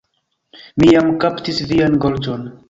Mi jam kaptis vian gorĝon.